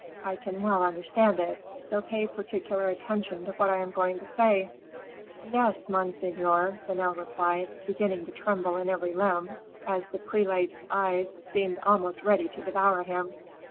I can well understand it; so pay particular attention to what I am going to say." "Yes, monseigneur," Vanel replied, beginning to tremble in every limb, as the prelate's eyes seemed almost ready to devour him.